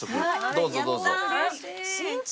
どうぞどうぞ。新築！